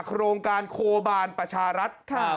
โครงการโคบาลประชารัฐ